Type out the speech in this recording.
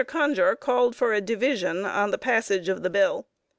Conger called for a division on the passage of the bill.